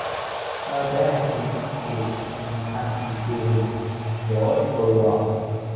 While there have been escapes and attempts to cure him, they always go wrong.